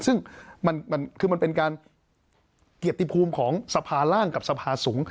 ซึ่งมันคือมันเป็นการเกียรติภูมิของสภาร่างกับสภาสูง